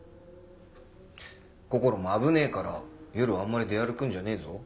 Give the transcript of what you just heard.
こころも危ねえから夜はあんまり出歩くんじゃねえぞ。